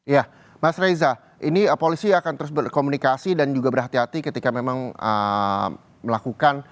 ya mas reza ini polisi akan terus berkomunikasi dan juga berhati hati ketika memang melakukan